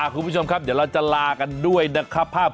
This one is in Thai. คุณผู้ชมครับเดี๋ยวเราจะลากันด้วยนะครับ